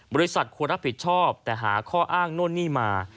บริษัทควรรับผิดชอบแต่หาข้ออ้างโน่นนี่มา